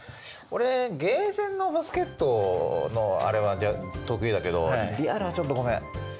俺ゲーセンのバスケットのあれは得意だけどリアルはちょっとごめん。